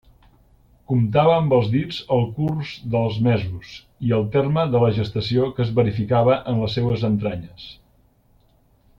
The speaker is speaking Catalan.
Comptava amb els dits el curs dels mesos i el terme de la gestació que es verificava en les seues entranyes.